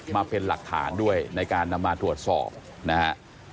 มาเป็นหลักฐานด้วยในการนำมาตรวจสอบนะฮะ